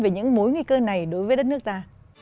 về những mối nguy cơ này đối với đất nước ta